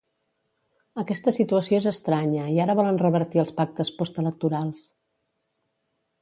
Aquesta situació és estranya i ara volen revertir els pactes postelectorals.